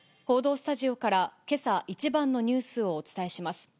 報道スタジオから、けさ一番のニュースをお伝えします。